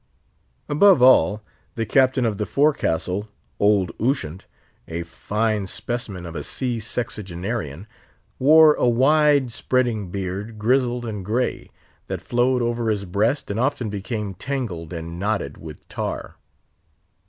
Above all, the Captain of the Forecastle, old Ushant—a fine specimen of a sea sexagenarian—wore a wide, spreading beard, gizzled and grey, that flowed over his breast and often became tangled and knotted with tar.